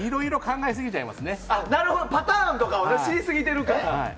なるほど、パターンとかを知りすぎてるから。